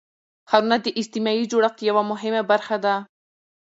ښارونه د اجتماعي جوړښت یوه مهمه برخه ده.